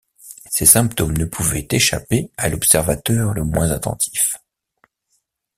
Ces symptômes ne pouvaient échapper à l’observateur le moins attentif.